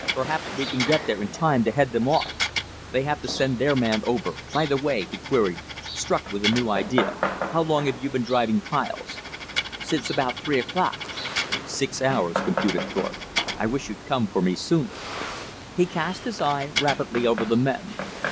Perhaps we can get there in time to head them off. They have to send their man over By the way," he queried, struck with a new idea, "how long have you been driving piles?" "Since about three o'clock." "Six hours," computed Thorpe. "I wish you'd come for me sooner." He cast his eye rapidly over the men.